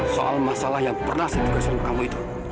soal masalah yang pernah seduka seru kamu itu